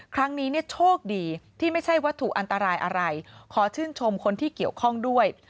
ครั้งนี้เนี่ยโชคดีที่ไม่ใช่วัตถุอันตรายอะไรขอชื่นชมคนที่เกี่ยวข้องด้วย